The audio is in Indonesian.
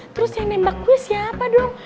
terus yang nembak gue siapa dong